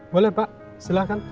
boleh pak silahkan